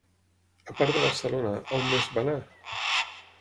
A part de Barcelona, on més va anar?